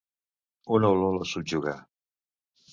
Una olor la subjugà.